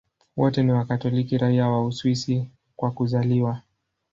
Wote ni Wakatoliki raia wa Uswisi kwa kuzaliwa.